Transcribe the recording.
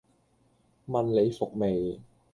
問你服未